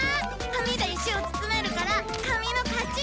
紙で石を包めるから紙の勝ち！